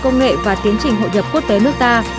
công nghệ và tiến trình hội nhập quốc tế nước ta